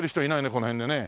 この辺でね。